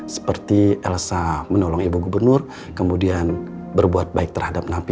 seperti elsa menolong ibu gubernur kemudian berbuat baik terhadap napi